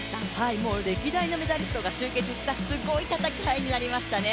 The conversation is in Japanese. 歴代のメダリストが集結したすごい戦いになりましたね。